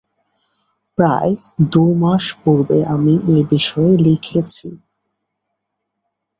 প্রায় দু-মাস পূর্বে আমি এ-বিষয়ে লিখেছি।